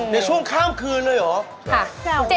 ในช่วงข้ามคืนเลยเหรอ